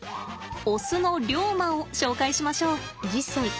オスのリョウマを紹介しましょう。